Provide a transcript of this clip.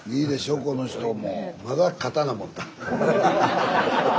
この人も。